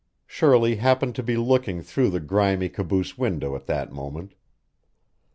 Shirley happened to be looking through the grimy caboose window at that moment.